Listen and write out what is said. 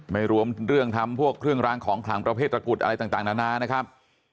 ไม่รวมเรื่องทำพวกเครื่องรางของขลังประเภทตระกุดอะไรต่างนานานะครับ